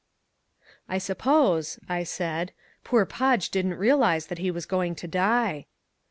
"I suppose," I said, "poor Podge didn't realise that he was going to die."